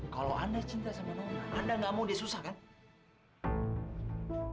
kalau anda cinta sama nu anda gak mau dia susah kan